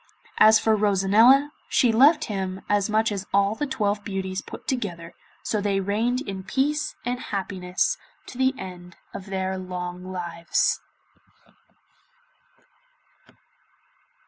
As for Rosanella, she loved him as much as all the twelve beauties put together, so they reigned in peace and happiness to the end of their long lives.